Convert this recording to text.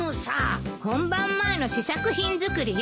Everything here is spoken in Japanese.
本番前の試作品作りよ。